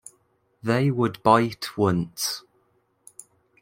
They would bite once.